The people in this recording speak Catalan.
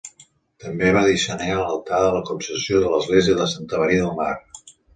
També va dissenyar l'altar de la Concepció de l'església de Santa Maria del Mar.